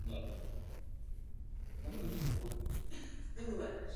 焉知二十載，重上君子堂。